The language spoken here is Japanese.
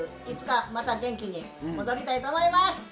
いつかまた元気に戻りたいと思います。